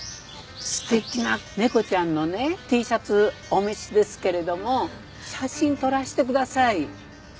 素敵な猫ちゃんのねＴシャツお召しですけれども写真撮らせてください。